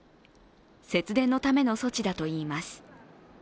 節電のための措置だといいます。